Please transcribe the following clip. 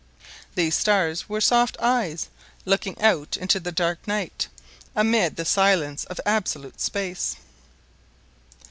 These stars were soft eyes, looking out into the dark night, amid the silence of absolute space.